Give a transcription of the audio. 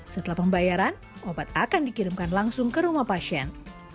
setelah pembayaran obat akan dikirimkan langsung ke rumah pasien